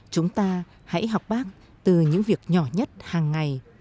chúng ta hãy học bác từ những việc nhỏ nhất hàng ngày